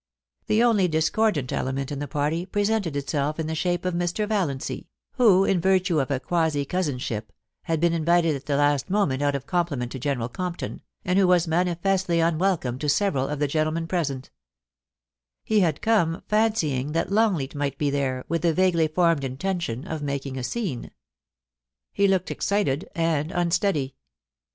The only discordant element in the party presented itself in the shape of Mr. Valiancy, who, in virtue of a quasi cousinship, had been invited at the last moment out of compliment to General Compton, and who was manifestly unwelcome to several of the gentlemen present He had come, fancying that Longleat might be there, with the vaguely formed intention of making a scene. He 1 THE DINNER TO GENERAL COMPTON. 369 looked excited and unsteady.